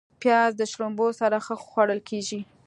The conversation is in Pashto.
پیاز د شړومبو سره ښه خوړل کېږي